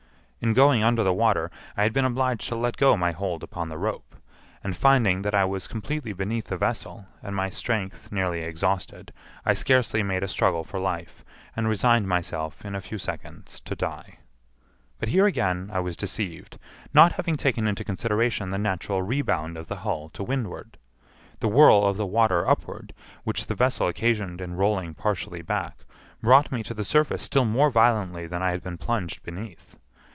In going under the water I had been obliged to let go my hold upon the rope; and finding that I was completely beneath the vessel, and my strength nearly exhausted, I scarcely made a struggle for life, and resigned myself, in a few seconds, to die. But here again I was deceived, not having taken into consideration the natural rebound of the hull to windward. The whirl of the water upward, which the vessel occasioned in rolling partially back, brought me to the surface still more violently than I had been plunged beneath.